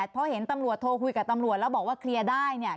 เพราะเห็นตำรวจโทรคุยกับตำรวจแล้วบอกว่าเคลียร์ได้เนี่ย